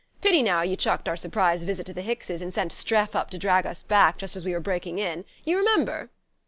Pity now you chucked our surprise visit to the Hickses, and sent Streff up to drag us back just as we were breaking in! You remember?"